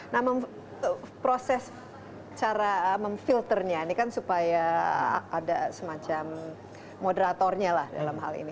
nah proses cara memfilternya ini kan supaya ada semacam moderatornya lah dalam hal ini